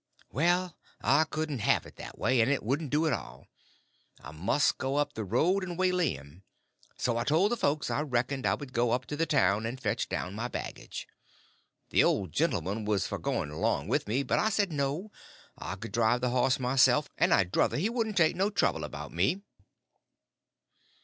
Well, I couldn't have it that way; it wouldn't do at all. I must go up the road and waylay him. So I told the folks I reckoned I would go up to the town and fetch down my baggage. The old gentleman was for going along with me, but I said no, I could drive the horse myself, and I druther he wouldn't take no trouble about me.